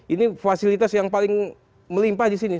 ini fasilitas yang paling melimpah di sini